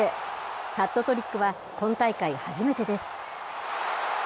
ハットトリックは、今大会初めてです。